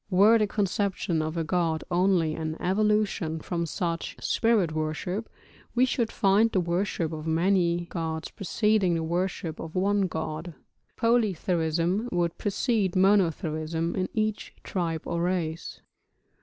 Were the conception of a god only an evolution from such spirit worship we should find the worship of many gods preceding the worship of one god, polytheism would precede monotheism in each tribe or race.